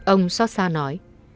ông xót xa nói